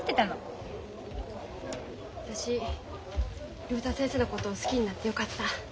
私竜太先生のこと好きになってよかった。